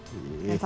sambel apa aja